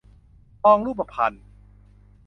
ทองรูปพรรณ